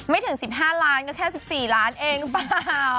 ไม่ถึง๑๕ล้านแล้วก็แค่๑๔ล้านเองรึเปล่า